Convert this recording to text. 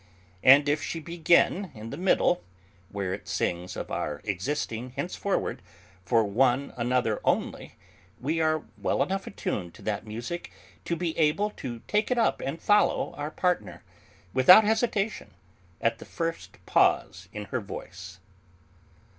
And if she begin in the middle, where it sings of our existing, henceforward, for one another only, we are well enough attuned to that music to be able to take it up and follow our partner, without hesitation, at the first pause in her voice.